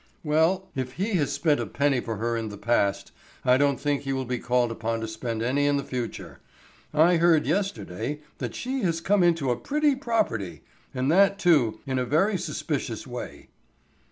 "Well, if he has spent a penny for her in the past, I don't think he will be called upon to spend any in the future. I heard yesterday that she has come into a pretty property, and that, too, in a very suspicious way."